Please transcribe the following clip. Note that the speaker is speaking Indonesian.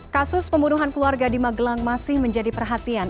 kasus pembunuhan keluarga di magelang masih menjadi perhatian